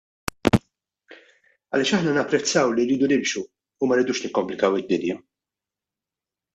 Għaliex aħna napprezzaw li rridu nimxu u ma rridux nikkomplikaw id-dinja.